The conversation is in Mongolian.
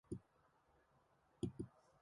Энэ их гай барцдаас яаж салах билээ?